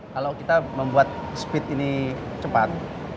kalau kita membuat speed ini cepat